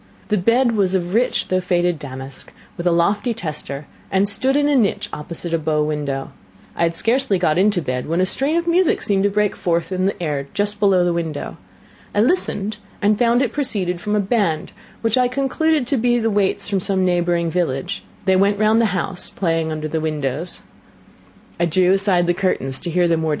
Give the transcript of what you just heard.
The bed was of rich though faded damask, with a lofty tester, and stood in a niche opposite a bow window. I had scarcely got into bed when a strain of music seemed to break forth in the air just below the window. I listened, and found it proceeded from a band, which I concluded to be the waits from some neighbouring village. They went round the house, playing under the windows.